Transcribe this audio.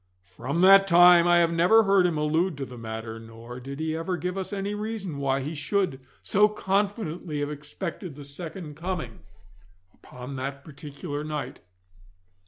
From that time I have never heard him allude to the matter, nor did he ever give us any reason why he should so confidently have expected the second coming upon that particular night.